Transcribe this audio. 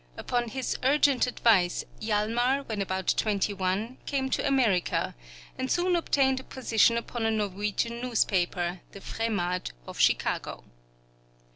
Upon his urgent advice, Hjalmar when about twenty one came to America, and soon obtained a position upon a Norwegian newspaper, the Fremad of Chicago.